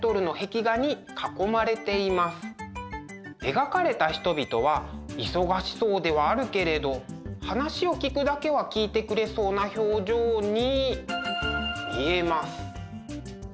描かれた人々は忙しそうではあるけれど話を聞くだけは聞いてくれそうな表情に見えます。